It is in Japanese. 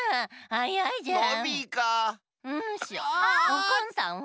おこんさんは？